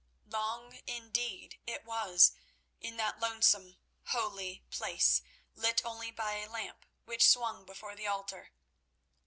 Long, indeed, it was, in that lonesome, holy place, lit only by a lamp which swung before the altar.